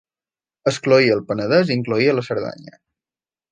Excloïa el Penedès i incloïa la Cerdanya.